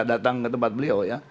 datang ke tempat beliau ya